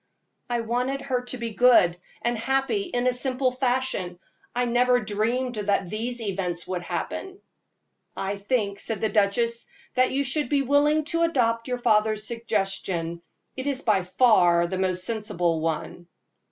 "I wanted her to be good and happy in a simple fashion. I never dreamed that these events would happen." "I think," said the duchess, "that you should be willing to adopt your father's suggestion. It is by far the most sensible one."